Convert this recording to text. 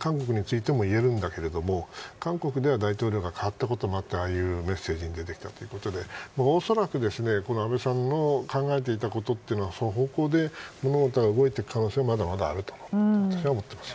韓国についても言えますが韓国では大統領も変わったことがあってああいうメッセージが出てきた恐らく安倍さんの考えていたことっていうのはその方向で物事が動く可能性はまだあると思います。